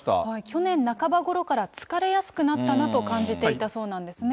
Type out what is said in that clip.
去年半ばごろから疲れやすくなったなと感じていたそうなんですね。